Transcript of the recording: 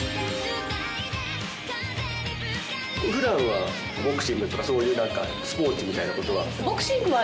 ふだんはボクシングとか、そういうなんかスポーツみたいなことは。